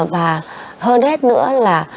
và hơn hết nữa là